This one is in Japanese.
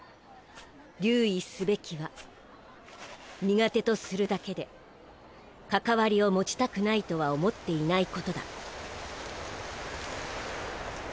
留意すべきは苦手とするだけで関わりを持ちたくないとは思っていないことだ